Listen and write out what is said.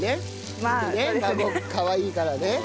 孫かわいいからね。